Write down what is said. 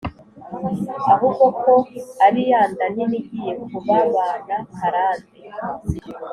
ahubwo ko ari ya nda nini igiye kubabana karande